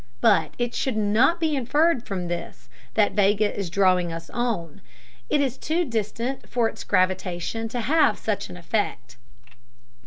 But it should not be inferred from this that Vega is drawing us on; it is too distant for its gravitation to have such an effect.